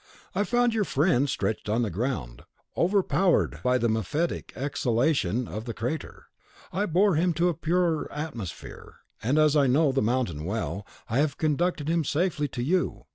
"I found your friend stretched on the ground, overpowered by the mephitic exhalation of the crater. I bore him to a purer atmosphere; and as I know the mountain well, I have conducted him safely to you.